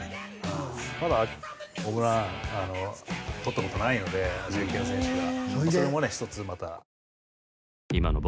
まだホームランとった事ないのでアジア系の選手が。